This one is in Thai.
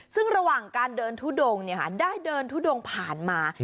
ซึ่งระหว่างการเดินทุดงได้เดินทุดงผ่านมา